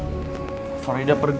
istirahat kami bersama terus